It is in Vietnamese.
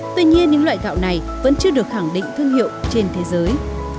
tuy nhiên những loại gạo này vẫn chưa được khẳng định thương hiệu trên thế giới